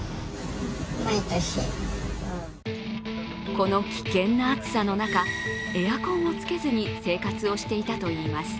この危険な暑さの中、エアコンをつけずに生活をしていたといいます。